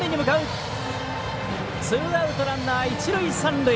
ツーアウトランナー、一塁、三塁。